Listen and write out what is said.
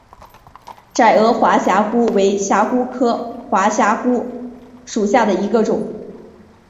窄额滑虾蛄为虾蛄科滑虾蛄属下的一个种。